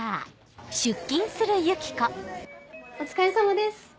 お疲れさまです。